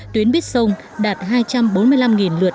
tuyến buýt sông đạt hai trăm bốn mươi năm lượt hành khách